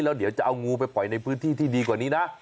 แล้วเดี๋ยวจะเอางูไปปล่อยในพื้นที่ที่ดีกว่านี้นะ